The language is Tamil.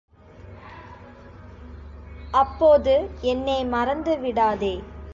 அப்போது என்னே மறந்து விடாதே!